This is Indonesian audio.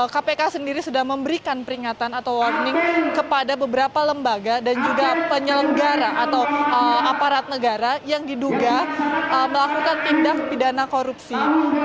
kpk sendiri sudah memberikan peringatan atau warning kepada beberapa lembaga dan juga penyelenggara atau aparat negara yang diduga melakukan tindak pidana korupsi